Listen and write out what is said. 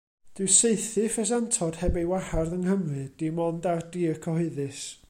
Dyw saethu ffesantod heb ei wahardd yng Nghymru, dim ond ar dir cyhoeddus.